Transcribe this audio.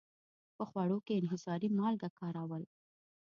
په خوړو کې انحصاري مالګه کارول.